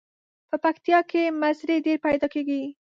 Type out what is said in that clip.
په پکتیا کې مزري ډیر پیداکیږي.